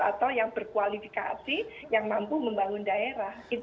atau yang berkualifikasi yang mampu membangun daerah